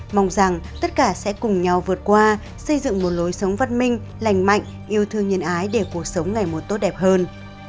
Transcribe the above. mong rằng tất cả sẽ cùng nhau vượt qua xây dựng một lối sống văn minh lành mạnh yêu thương nhân ái để cuộc sống ngày một tốt đẹp hơn